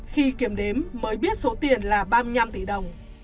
khi kiểm đếm mới biết số tiền là ba mươi năm tỷ đồng